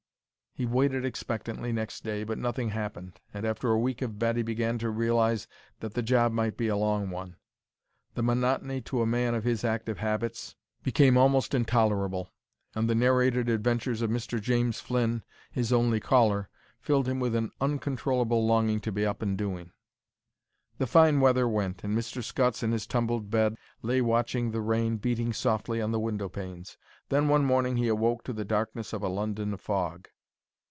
He waited expectantly next day, but nothing happened, and after a week of bed he began to realize that the job might be a long one. The monotony, to a man of his active habits, became almost intolerable, and the narrated adventures of Mr. James Flynn, his only caller, filled him with an uncontrollable longing to be up and doing. The fine weather went, and Mr. Scutts, in his tumbled bed, lay watching the rain beating softly on the window panes. Then one morning he awoke to the darkness of a London fog.